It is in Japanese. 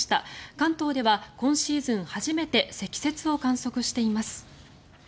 関東では今シーズン初めて積雪を観測しています。